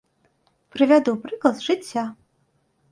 Прывяду прыклад з жыцця.